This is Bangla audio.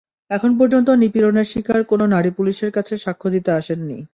এখন পর্যন্ত নিপীড়নের শিকার কোনো নারী পুলিশের কাছে সাক্ষ্য দিতে আসেননি।